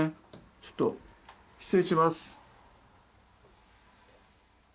ちょっと失礼します。